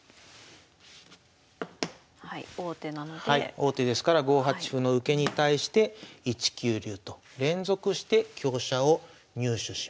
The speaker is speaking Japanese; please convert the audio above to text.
王手ですから５八歩の受けに対して１九竜と連続して香車を入手しました。